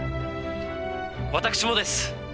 私もです。